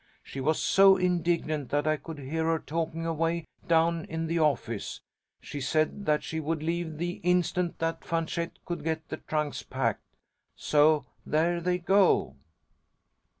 She was so indignant that I could hear her talking away down in the office. She said that she would leave the instant that Fanchette could get the trunks packed. So there they go."